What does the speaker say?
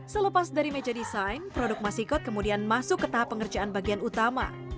selepas dari meja desain produk masikot kemudian masuk ke tahap pengerjaan bagian utama